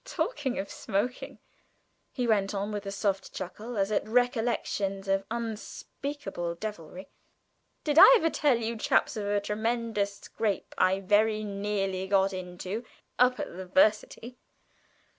"Talking of smoking," he went on, with a soft chuckle, as at recollections of unspeakable devilry, "did I ever tell you chaps of a tremendous scrape I very nearly got into up at the 'Varsity?